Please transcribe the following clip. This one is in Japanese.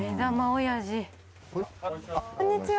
こんにちは。